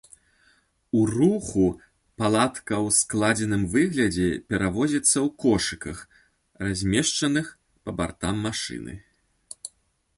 У руху палатка ў складзеным выглядзе перавозіцца ў кошыках, размешчаных па бартам машыны.